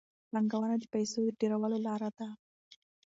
پانګونه د پیسو د ډېرولو لار ده.